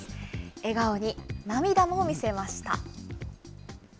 笑顔に涙も見せました。